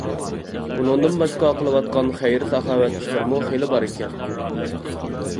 ئۇنىڭدىن باشقا قىلىۋاتقان خەير-ساخاۋەت ئىشلىرىمۇ خېلى بار ئىكەن.